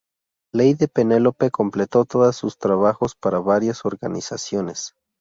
Lady Penelope completó todas sus trabajos para varias organizaciones.